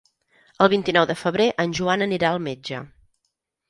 El vint-i-nou de febrer en Joan anirà al metge.